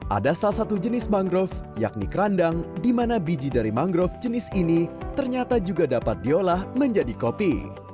ada salah satu jenis mangrove yakni kerandang di mana biji dari mangrove jenis ini ternyata juga dapat diolah menjadi kopi